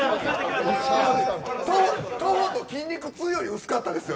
徒歩と筋肉痛より薄かったですよ